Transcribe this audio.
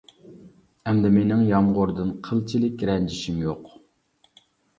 ئەمدى مىنىڭ يامغۇردىن قىلچىلىك رەنجىشىم يوق.